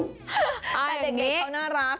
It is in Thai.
แต่เด็กเขาน่ารัก